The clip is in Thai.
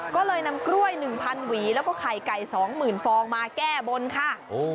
ก็เลยนำกล้วยหนึ่งพันหวีแล้วก็ไข่ไก่สองหมื่นฟองมาแก้บนค่ะ